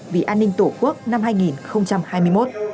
vì an ninh tổ quốc năm hai nghìn hai mươi một